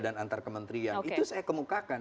dan antar kementerian itu saya kemukakan